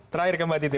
terakhir ke mbak titi